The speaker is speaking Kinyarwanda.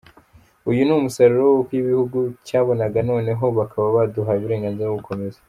Uyu ni umusaruro w’uko igihugu cyabibonaga noneho bakaba baduhaye uburenganzira bwo gukomeza.